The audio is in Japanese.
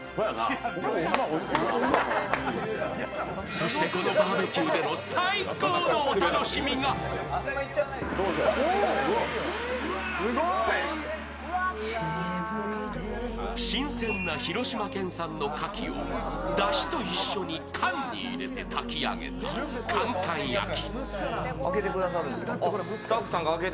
そして、このバーベキューでの最高のお楽しみが新鮮な広島県産のかきをだしと一緒に缶に入れて炊き上げたカンカン焼き。